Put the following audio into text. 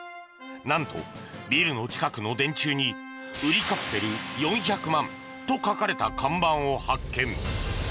何とビルの近くの電柱に売りカプセル４００万と書かれた看板を発見！